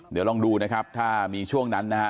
เดี๋ยวลองดูนะครับถ้ามีช่วงนั้นนะฮะ